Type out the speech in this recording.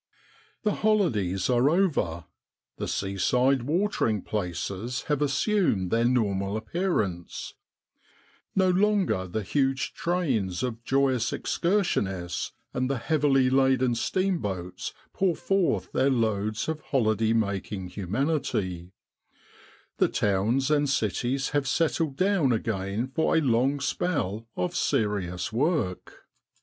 The holidays are over ; the seaside watering places have assumed their nor mal appearance; no longer the huge trains of joyous excursionists and the heavily laden steam boats pour forth their loads of holiday making humanity ; the towns and cities have settled down again for a long spell of serious work.